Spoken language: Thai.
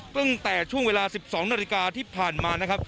ตั้งแต่ช่วงเวลา๑๒นาฬิกาที่ผ่านมานะครับ